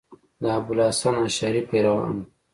د ابو الحسن اشعري پیروان وو.